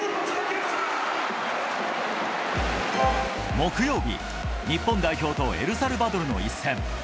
木曜日、日本代表とエルサルバドルの一戦。